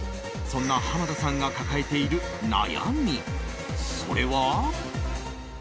そんな濱田さんが抱えている悩みそれは。